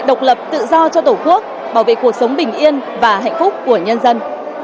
độc lập tự do cho tổ quốc bảo vệ cuộc sống bình yên và hạnh phúc của nhân dân